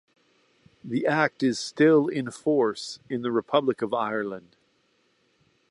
The act is still in force in the Republic of Ireland.